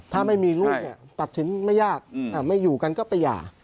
ถ้าไม่มีลูกเนี่ยตัดสินไม่ยากไม่อยู่กันก็ไปหย่า